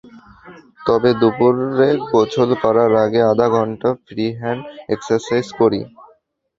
তবে দুপুরে গোসল করার আগে আধা ঘণ্টা ফ্রি হ্যান্ড এক্সারসাইজ করি।